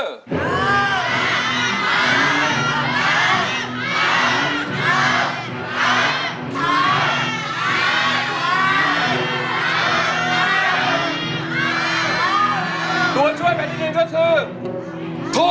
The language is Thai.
ตัวช่วยแผ่นที่๑ก็คือ